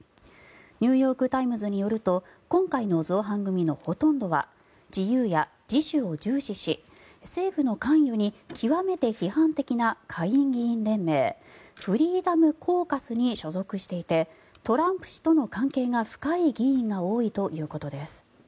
ニューヨーク・タイムズによると今回の造反組のほとんどは自由や自主を重視し政府の関与に極めて批判的な下院議員連盟フリーダム・コーカスに所属していてトランプ氏との関係が深い議員が多いということです。